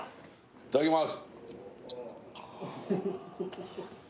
いただきます